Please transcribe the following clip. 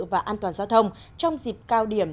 và an toàn giao thông trong dịp cao điểm